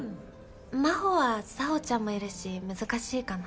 真帆は佐帆ちゃんもいるし難しいかな？